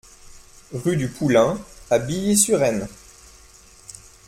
Rue du Poulain à Billy-sur-Aisne